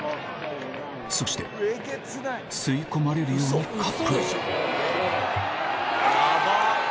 そして吸い込まれるようにカップへヤバっ！